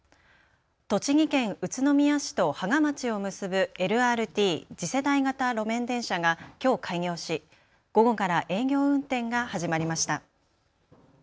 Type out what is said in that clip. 栃木県宇都宮市と芳賀町を結ぶＬＲＴ・次世代型路面電車がきょう開業し、午後から営業運転が始まりました。